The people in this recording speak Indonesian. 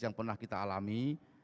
yang pernah kita alami